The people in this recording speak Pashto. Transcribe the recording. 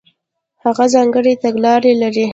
هغه ځانګړې تګلارې کارولې.